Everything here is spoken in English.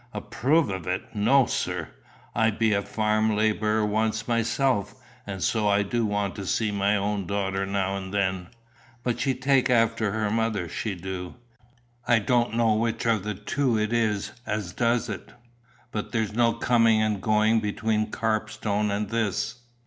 "Approve of it? No, sir. I be a farm labourer once myself; and so I do want to see my own daughter now and then. But she take after her mother, she do. I don't know which of the two it is as does it, but there's no coming and going between Carpstone and this."